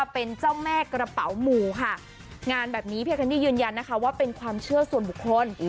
เป็นเจ้าแม่กระเป๋าหมู่ค่ะงานแบบนี้พี่แคนดี้ยืนยันนะคะว่าเป็นความเชื่อส่วนบุคคล